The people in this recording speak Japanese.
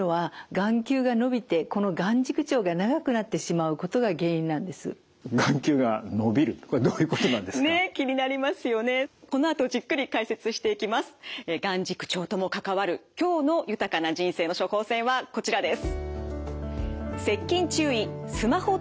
眼軸長とも関わる今日の豊かな人生の処方せんはこちらです。